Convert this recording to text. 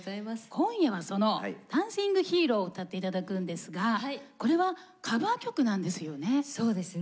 今夜はその「ダンシング・ヒーロー」を歌って頂くんですがこれはカバー曲なんですよね？